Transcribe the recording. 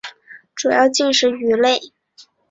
瘰鳞蛇主要进食鱼类。